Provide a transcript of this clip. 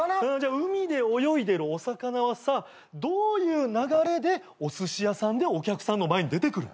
海で泳いでるお魚はさどういう流れでおすし屋さんでお客さんの前に出てくる？